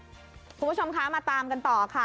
คุณผู้ชมคะมาตามกันต่อค่ะ